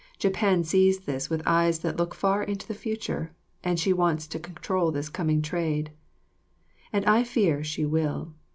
Japan sees this with eyes that look far into the future, and she wants to control this coming trade and I fear she will.